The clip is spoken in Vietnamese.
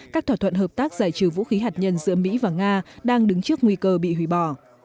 các thỏa thuận hợp tác giải trừ vũ khí hạt nhân giữa mỹ và nga đang đứng trước nguy cơ bị hủy bỏ